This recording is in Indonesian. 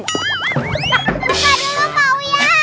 lupa dulu pak wia